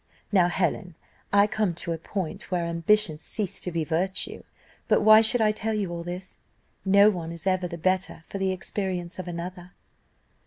"Now, Helen, I am come to a point where ambition ceased to be virtue. But why should I tell you all this? no one is ever the better for the experience of another."